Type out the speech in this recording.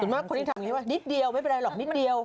นี่แบบพวกนี้ทำงี้ว่ะนิดเดียวไม่เป็นไรหรอกนิดเดียว